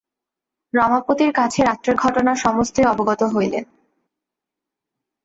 রমাপতির কাছে রাত্রের ঘটনা সমস্তই অবগত হইলেন।